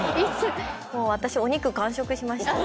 もう私お肉完食しました。